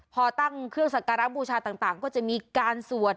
พอตั้งเครื่องสักการะบูชาต่างก็จะมีการสวด